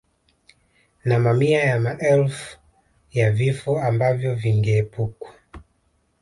Na mamia ya maelfu ya vifo ambavyo vingeepukwa